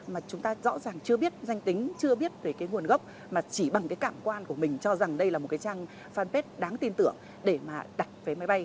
mà chúng ta rõ ràng chưa biết danh tính chưa biết về cái nguồn gốc mà chỉ bằng cái cảm quan của mình cho rằng đây là một cái trang fanpage đáng tin tưởng để mà đặt vé máy bay